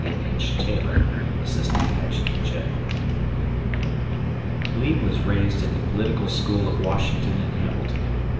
W. H. Taylor, Assistant Adjutant General. Lee was raised in the political school of Washington and Hamilton.